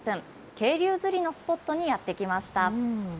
渓流釣りのスポットにやって来ました。